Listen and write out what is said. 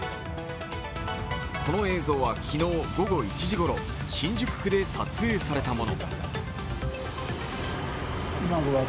この映像は昨日午後１時ごろ、新宿区で撮影されたもの。